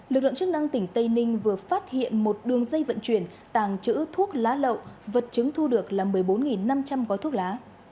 lực lượng chức năng tỉnh tây ninh vừa phát hiện một đường dây vận chuyển tàng chữ thuốc lá lậu vật chứng thu được là một mươi bốn năm trăm linh gói thuốc lá